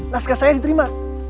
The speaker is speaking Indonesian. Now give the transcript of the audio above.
naskah saya diterima